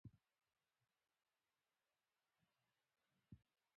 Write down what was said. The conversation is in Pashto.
روغتیايي زده کړې ژوند بدلوي.